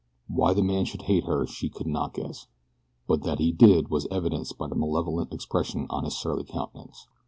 Why the man should hate her so she could not guess; but that he did was evidenced by the malevolent expression of his surly countenance.